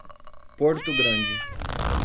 Porto Grande